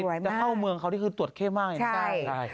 อะไรจะเข้าเมืองเขาที่ก็ตรวจแคบมากอย่างนี้นะใช่